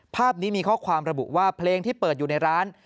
ภาพนี้มีข้อความระบุว่าเพลงที่เปิดอยู่ในร้าน